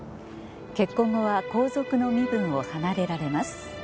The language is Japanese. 結婚後は皇族の身分を離れられます。